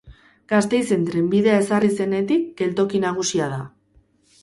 Gasteizen trenbidea ezarri zenetik geltoki nagusia da.